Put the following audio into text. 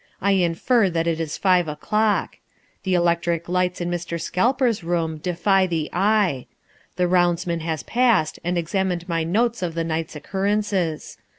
I infer that it is five o'clock. The electric lights in Mr. Scalper's room defy the eye. The roundsman has passed and examined my notes of the night's occurrences.